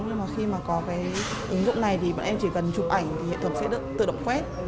nhưng mà khi mà có cái ứng dụng này thì bọn em chỉ cần chụp ảnh thì hệ thống sẽ được tự động quét